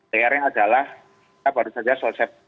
pr nya adalah kita baru saja selesai